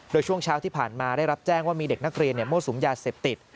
โดยช่วงเช้าที่ผ่านมาได้รับแจ้งว่ามีเด็กนักเรียนมั่วสุมยาเสพติด